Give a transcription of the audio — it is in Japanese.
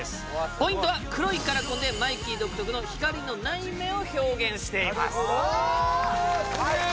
ポイントは黒いカラコンでマイキー独特の光のない目を表現していますすげえ！